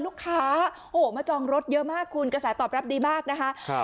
ลูกค้าโหมาจองรถเยอะมากคุณกระสาทตอบรับดีมากนะคะ